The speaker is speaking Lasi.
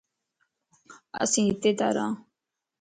اسين ھتي تان ران